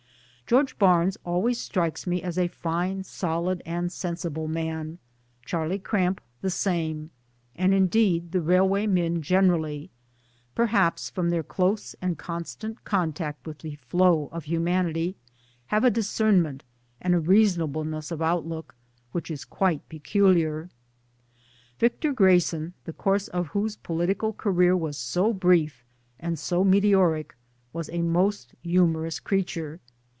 George Barnes always strikes me as a fine, solid and sensible man ; Charlie Cramp the same ; and indeed the railway men generally perhaps from their close and constant contact with the flow of humanity have a discernment and reasonableness of outlook which is quite peculiar. Victor Grayson, the course of whose political career was so brief and so meteoric, was a most humorous creature.